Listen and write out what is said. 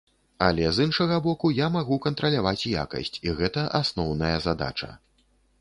Але, з іншага боку, я магу кантраляваць якасць, і гэта асноўная задача.